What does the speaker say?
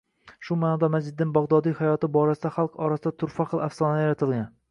Shu maʼnoda Majdiddin Bagʻdodiy hayoti borasida xalq orasida turfa xil afsonalar yaratilgan